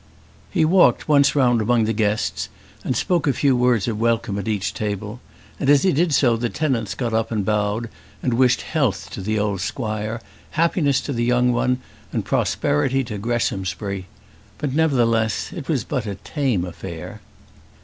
He walked once round among the guests, and spoke a few words of welcome at each table; and as he did so the tenants got up and bowed and wished health to the old squire, happiness to the young one, and prosperity to Greshamsbury; but, nevertheless, it was but a tame affair.